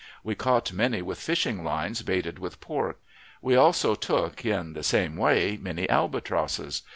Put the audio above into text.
We caught many with fishing lines baited with pork. We also took in the same way many albatrosses.